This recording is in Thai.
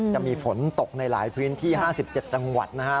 จะมีฝนตกในหลายพื้นที่๕๗จังหวัดนะฮะ